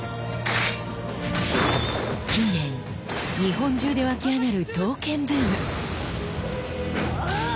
近年日本中で沸き上がる刀剣ブーム。